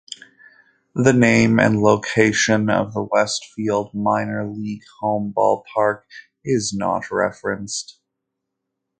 The name and location of the Westfield minor league home ballpark is not referenced.